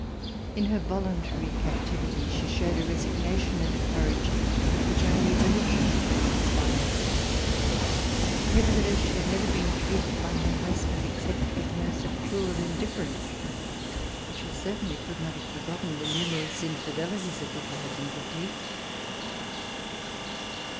In her voluntary captivity, she showed a resignation and a courage which only religion could have inspired. Nevertheless, she had never been treated by her husband except with the most cruel indifference, and she certainly could not have forgotten the numerous infidelities of which he had been guilty.